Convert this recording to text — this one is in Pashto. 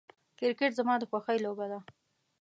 کرکټ زما د خوښې لوبه ده .